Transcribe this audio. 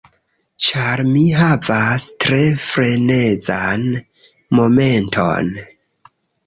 Ĉar mi havis tre frenezan momenton.